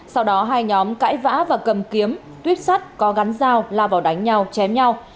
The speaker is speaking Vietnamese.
sau đó hai nhóm cãi vã và cầm kiếm tuyếp sắt có gắn dao la vào đánh nhau chém nhau